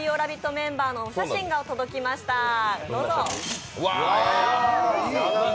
メンバーのお写真が届きました、どうぞ。